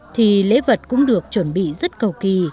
thì lễ vật cũng được chuẩn bị rất cầu kỳ